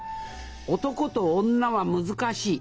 男と女は難しい。